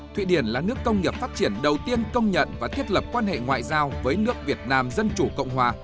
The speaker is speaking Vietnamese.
thụy điển là nước công nghiệp phát triển đầu tiên công nhận và thiết lập quan hệ ngoại giao với nước việt nam dân chủ cộng hòa